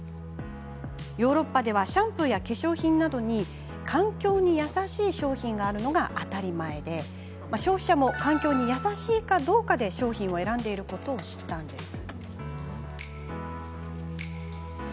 ヨーロッパではシャンプーや化粧品などに環境に優しい商品があるのが当たり前で消費者も、商品が環境に優しいかどうかで商品を選んでいることを知ったんです。